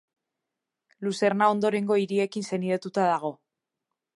Luzerna ondorengo hiriekin senidetuta dago.